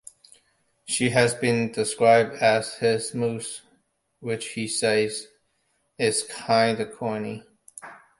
She has been described as his muse, which he says is "kinda corny".